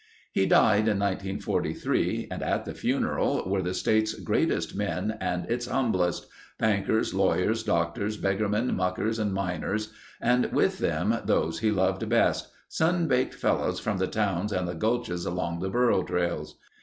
He died in 1943 and at the funeral were the state's greatest men and its humblest—bankers, lawyers, doctors, beggarmen, muckers and miners, and with them, those he loved best—sun baked fellows from the towns and the gulches along the burro trails.